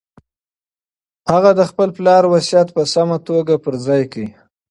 هغه د خپل پلار وصیت په سمه توګه پلي کړ.